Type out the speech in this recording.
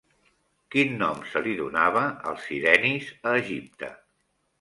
Quin nom se li donava als sirenis a Egipte?